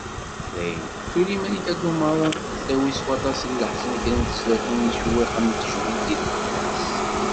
Daɣen, tuli Malika Dumran ad d-tawi s waṭas n leḥzen kra n tezlatin d yicewwiqen n tejmilt i Lwennas.